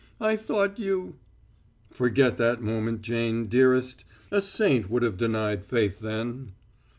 I thought you " "Forget that moment, Jane, dearest. A saint would have denied faith then."